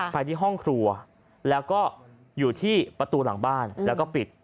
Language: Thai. ไปที่ห้องครัวแล้วก็อยู่ที่ประตูหลังบ้านแล้วก็ปิด